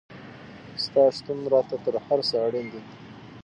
ستا شتون راته تر هر څه اړین دی